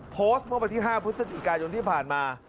โพสต์เมื่อวันที่๕พฤศจิกายนที่ผ่านมา